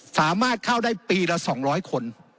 สามารถเข้าได้ปีละ๒๐๐คน